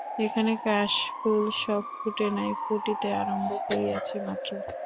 এখনো কাশফুল সব ফুটে নাই, ফুটিতে আরম্ভ করিয়াছে মাত্র।